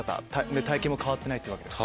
体形も変わってないわけですし。